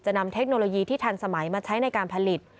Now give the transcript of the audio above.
นำเทคโนโลยีที่ทันสมัยมาใช้ในการผลิต